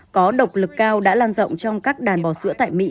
có độc lực cao đã lan rộng trong các đàn bò sữa tại mỹ